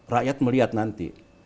rakyat melihat nanti